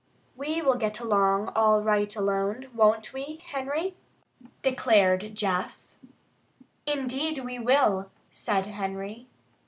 "We will get along all right alone, won't we, Henry?" declared Jess. "Indeed we will!" said Henry.